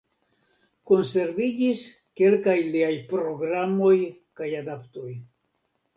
Konserviĝis kelkaj liaj programoj kaj adaptoj.